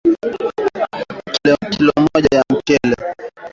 Kilo moja ya mchele